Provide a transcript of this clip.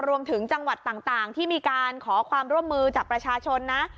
รวมถึงจังหวัดต่างที่มีการขอความร่วมมือจากประชาชนนะ